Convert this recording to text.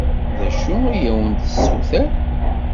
D acu i awen-d-tessuter?